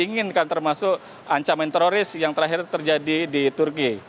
diinginkan termasuk ancaman teroris yang terakhir terjadi di turki